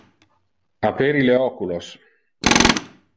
Aperi le oculos.